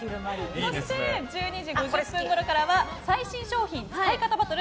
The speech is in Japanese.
そして１２時５０分ごろには最新商品使い方バトル！